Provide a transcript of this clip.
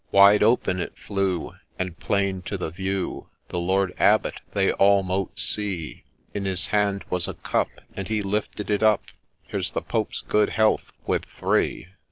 Wide open it flew, and plain to the view The Lord Abbot they all mote see ; In his hand was a cup, and he lifted it up, ' Here 's the Pope's good health with three